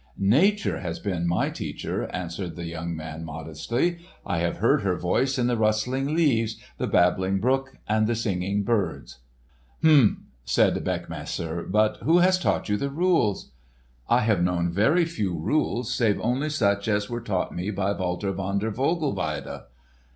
"Nature has been my teacher," answered the young man modestly. "I have heard her voice in the rustling leaves, the babbling brook, and the singing birds." "Humph!" said Beckmesser. "But who has taught you the rules?" "I have known very few rules save only such as were taught me by Walter von der Vogelweide."